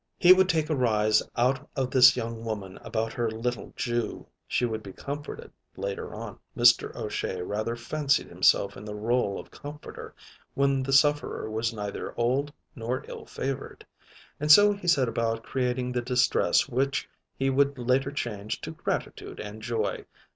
He would take a rise out of this young woman about her little Jew. She would be comforted later on. Mr. O'Shea rather fancied himself in the rôle of comforter, when the sufferer was neither old nor ill favored. And so he set about creating the distress which he would later change to gratitude and joy.